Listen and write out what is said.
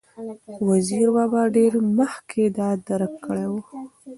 وزیر بابا ډېر مخکې دا درک کړې وه،